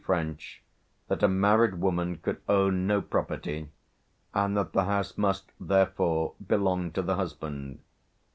French, that a married woman could own no property, and that the house must, therefore, belong to the husband.